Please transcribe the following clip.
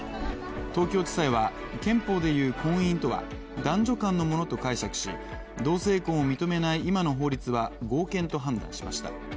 東京地裁は憲法でいう婚姻とは男女間のものと解釈し同性婚を認めない今の法律は合憲と判断しました。